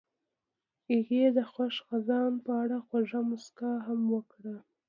هغې د خوښ خزان په اړه خوږه موسکا هم وکړه.